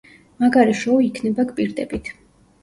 მაგარი შოუ იქნება, გპირდებით.